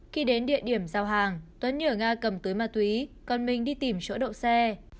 khi đến địa điểm giao hàng tuấn nhờ ga cầm tới ma túy còn mình đi tìm chỗ đậu xe